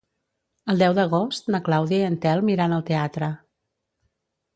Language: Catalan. El deu d'agost na Clàudia i en Telm iran al teatre.